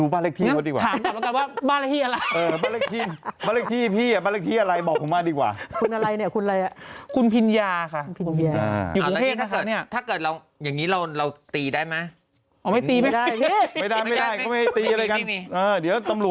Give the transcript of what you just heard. ไปสวดมนตร์ที่บ้านเค้าเหรอ